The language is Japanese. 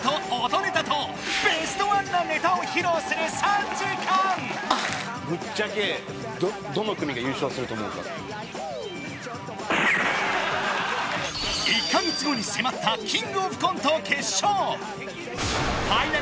音ネタとベストワンなネタを披露する３時間１カ月後に迫ったキングオブコント決勝